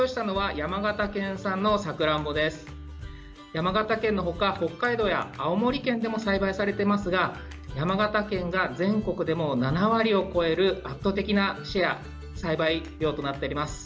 山形県のほか北海道や青森県でも栽培されていますが山形県が全国でも７割を超える圧倒的なシェア栽培量となっております。